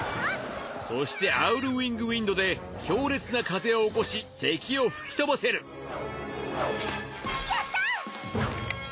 そしてアウル・ウィング・ウィンドで強烈な風を起こし敵を吹き飛ばせるやった！